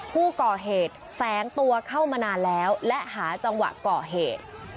ผู้ก่อเหตุแฝงตัวเข้ามานานแล้วและหาจังหวะก่อเหตุ